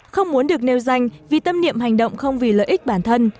không vì lợi ích bản thân